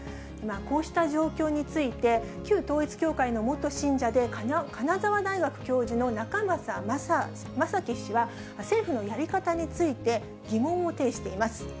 こうした状況について、旧統一教会の元信者で金沢大学教授の仲正まさき氏は、政府のやり方について、疑問を呈しています。